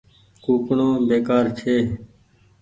ڪوُڪڻو بيڪآر ڇي۔